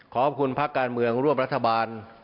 ขอบคุณพระอุทิตย์การเมืองร่วมรัฐบาล